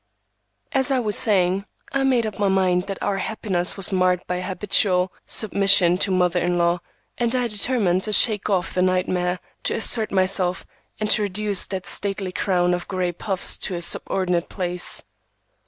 As I was saying, I made up my mind that our happiness was marred by habitual submission to mother in law, and I determined to shake off the nightmare, to assert myself, and to reduce that stately crown of gray puffs to a subordinate place.